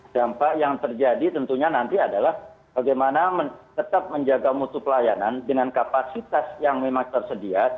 dampak yang terjadi tentunya nanti adalah bagaimana tetap menjaga mutu pelayanan dengan kapasitas yang memang tersedia